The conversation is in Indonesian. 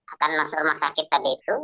akan masuk rumah sakit tadi itu